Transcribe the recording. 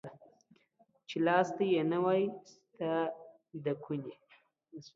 چي لاستى يې نه واى ستا د کوني.